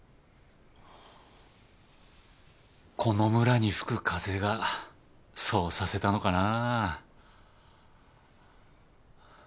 この村に吹く風がそうさせたのかな。